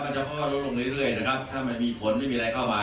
มันจะเข้ารถลงเรื่อยนะครับถ้ามันมีผลไม่มีอะไรเข้ามา